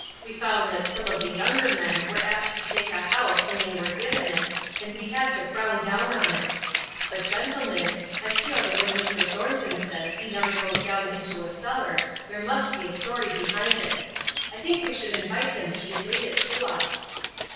We found that some of the younger men were apt to take a house when they were given it, and we had to frown down on it. But, gentlemen, I feel that when Mr. Thornton says that he never goes down into a cellar there must be a story behind it. I think we should invite him to relate it to us."